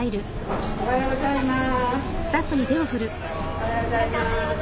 おはようございます。